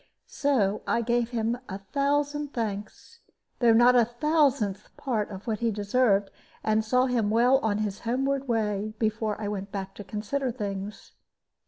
So I gave him a thousand thanks, though not a thousandth part of what he deserved, and saw him well on his homeward way before I went back to consider things.